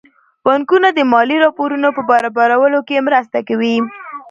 بانکونه د مالي راپورونو په برابرولو کې مرسته کوي.